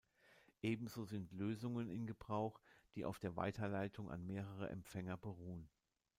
Ebenso sind Lösungen in Gebrauch, die auf der Weiterleitung an mehrere Empfänger beruhen.